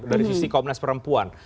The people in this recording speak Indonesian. dari sisi komnas perempuan